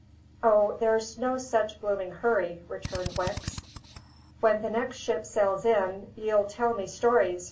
"O, there's no such blooming hurry," returned Wicks. "When the next ship sails in, ye'll tell me stories!"